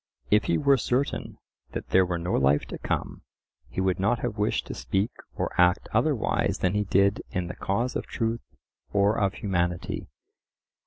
If he were certain that there were no life to come, he would not have wished to speak or act otherwise than he did in the cause of truth or of humanity.